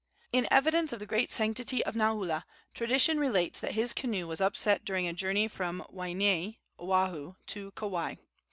In evidence of the great sanctity of Naula, tradition relates that his canoe was upset during a journey from Waianae, Oahu, to Kauai.